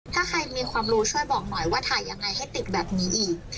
ถ้าใครมีความรู้ช่วยบอกหน่อยว่าถ่ายยังไงให้ติดแบบนี้อีก